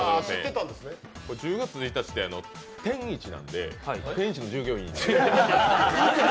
１０月１日っててんいちなんで天一の従業員。